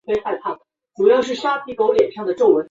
然而这种食用方法真实性存疑。